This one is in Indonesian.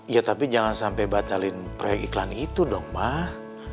ya tapi jangan sampai batalin proyek iklan itu dong mah